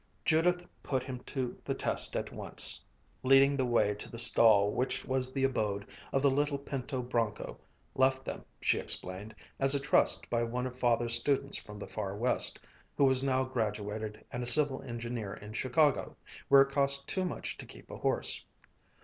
Judith put him to the test at once, leading the way to the stall which was the abode of the little pinto broncho, left them, she explained, as a trust by one of Father's students from the Far West, who was now graduated and a civil engineer in Chicago, where it cost too much to keep a horse.